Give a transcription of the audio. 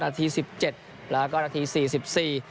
นาที๑๗แล้วก็นาที๔๔